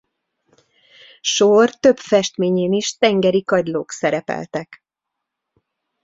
Shore több festményén is tengeri kagylók szerepeltek.